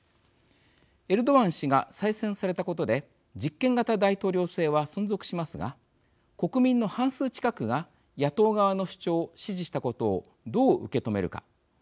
エルドアン氏が再選されたことで実権型大統領制は存続しますが国民の半数近くが野党側の主張を支持したことをどう受け止めるか。